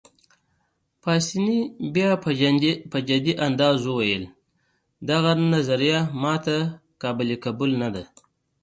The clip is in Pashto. پاسیني بیا په جدي انداز وویل: دغه نظریه ما ته قابل قبول نه ده.